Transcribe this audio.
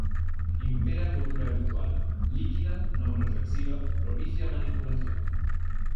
Impera a cultura virtual, líquida, non reflexiva, propicia á manipulación.